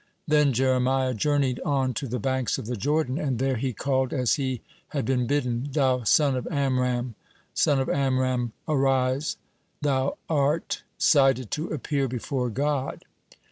Then Jeremiah journeyed on to the banks of the Jordan, and there he called as he had been bidden: "Thou son of Amram, son of Amram, arise, thou are cited to appear before God."